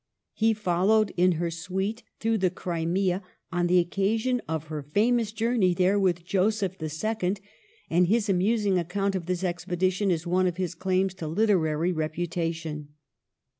He followed in her suite through the Crimea on the occasion of her famous jour ney there with Joseph II., and his amusing account of this expedition is one of his claims to literary reputation.